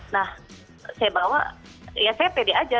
nah saya bawa ya saya pede aja